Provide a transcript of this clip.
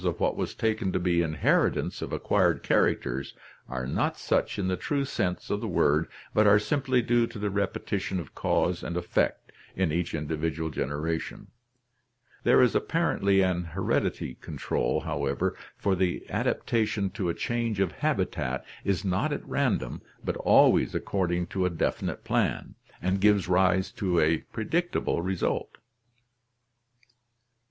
])' INHERITANCE OF ACQUIRED CHARACTERS 1 73 what was taken to be inheritance of acquired characters are not such in the true sense of the word but are simply due to the repetition of cause and effect in each individual generation. There is apparently an heredity control, however, for the adapta tion to a change of habitat is not at random but always according to a definite plan, and gives rise to a predictable result.